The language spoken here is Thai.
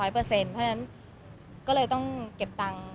เพราะฉะนั้นก็เลยต้องเก็บตังค์